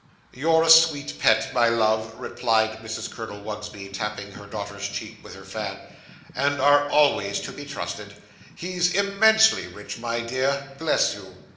'You're a sweet pet, my love,' replied Mrs. Colonel Wugsby, tapping her daughter's cheek with her fan, 'and are always to be trusted. He's immensely rich, my dear. Bless you!